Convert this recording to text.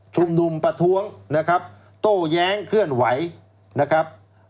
ชุมนุมประท้วงนะครับโต้แย้งเคลื่อนไหวนะครับ